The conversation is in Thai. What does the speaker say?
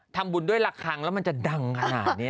ทำบุญด้วยละครั้งแล้วมันจะดังขนาดนี้